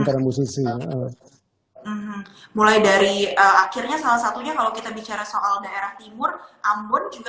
daerah musisi mulai dari akhirnya salah satunya kalau kita bicara soal daerah timur ambon juga